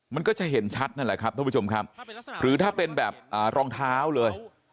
มันก็จะเห็นชัดนั่นแหละครับท่านผู้ชมครับหรือถ้าเป็นแบบรองเท้าเลย